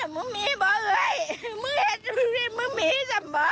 มีเลอเหย่ยมีเปล่า